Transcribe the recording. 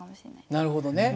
なるほどね。